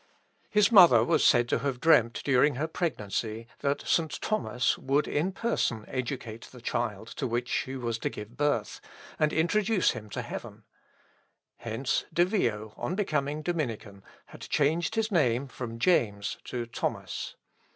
His mother was said to have dreamt during her pregnancy, that St. Thomas would in person educate the child to which she was to give birth, and introduce him to heaven. Hence De Vio, on becoming Dominican, had changed his name from James to Thomas.